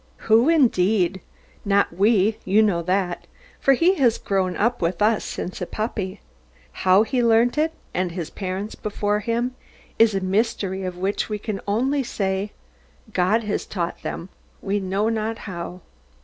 Who, indeed! Not we, you know that, for he has grown up with us since a puppy. How he learnt it, and his parents before him, is a mystery, of which we can only say, God has taught them, we know not how.